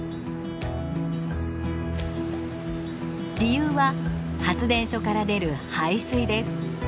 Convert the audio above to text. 理由は発電所から出る排水です。